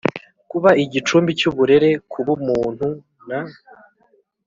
Kuba igicumbi cy uburere ku b umuntu n